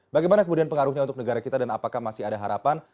bagaimana kemudian pengaruhnya untuk negara kita dan apakah masih ada harapan